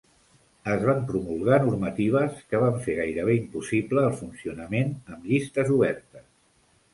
Es van promulgar normatives que van fer gairebé impossible el funcionament amb llistes obertes.